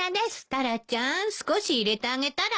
タラちゃん少し入れてあげたら？